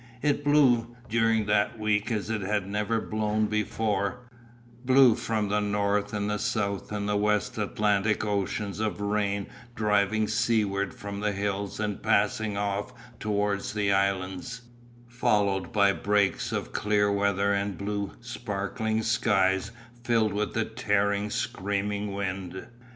It blew during that week as it had never blown before; blew from the north and the south and the west Atlantic oceans of rain driving seawards from the hills and passing off towards the islands, followed by breaks of clear weather and blue sparkling skies filled with the tearing screaming wind.